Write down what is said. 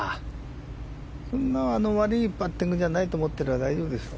そんな悪いパッティングじゃないと思うから大丈夫ですよ。